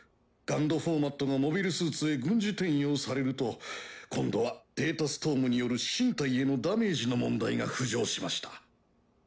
ＧＵＮＤフォーマットがモビルスーツへ軍事転用されると今度はデータストームによる身体へのダメージの問題が浮上しました。